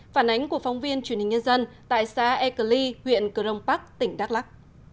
phản ánh của phóng viên truyền hình nhân dân tại xã ekeli huyện crong pak tỉnh đắk lắk